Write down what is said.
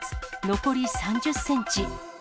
残り３０センチ。